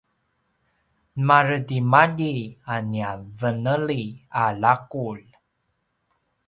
maretimalji a nia veneli a laqulj